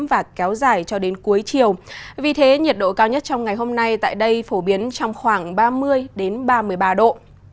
và kéo dài cho đến cuối chiều vì thế nhiệt độ cao nhất trong ngày hôm nay tại đây phổ biến trong khoảng ba mươi ba mươi ba độ